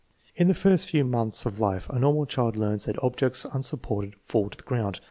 In the first few months of life a normal child learns that objects unsupported fall to the ground.